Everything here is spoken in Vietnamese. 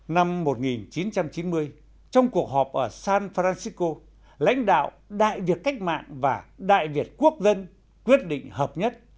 năm một nghìn chín trăm chín mươi trong cuộc họp ở san francisco lãnh đạo đại việt cách mạng và đại việt quốc dân quyết định hợp nhất